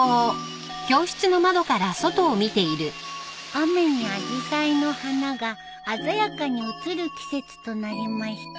雨にアジサイの花が鮮やかに映る季節となりました。